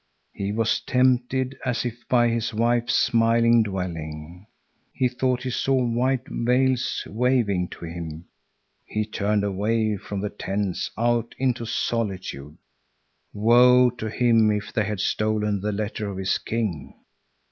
He was tempted, as if by his wife's smiling dwelling. He thought he saw white veils waving to him. He turned away from the tents out into solitude. Woe to him if they had stolen the letter of his king!